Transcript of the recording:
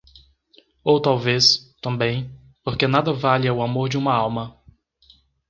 ou talvez, também, porque nada valha o amor de uma alma